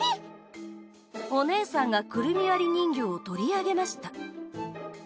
お姉さんがくるみわり人形を取り上げました